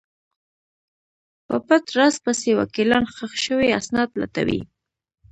په پټ راز پسې وکیلان ښخ شوي اسناد لټوي.